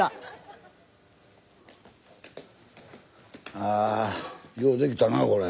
あようできたなこれ。